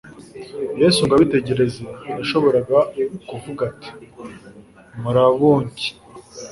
Yesu ngo abitegereze yashoboraga kuvuga ati: «Muraboncye.»